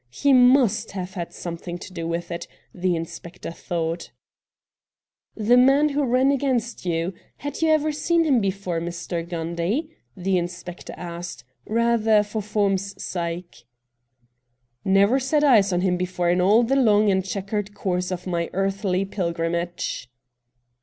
He must have had somethincr to do with it, the in spector thought. 128 RED DIAMONDS ' The man who ran against you — had you ever seen him before, Mr. Gundy ?' the in spector asked — rather for form's sake. ' Never set eyes on him before in all the long and chequered course of my earthly pilgrimage.'